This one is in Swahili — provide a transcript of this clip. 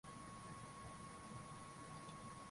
Watu wa ghorofani ni wazuri